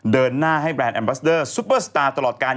เดินหน้าให้แบรนดแอมบัสเดอร์ซุปเปอร์สตาร์ตลอดการ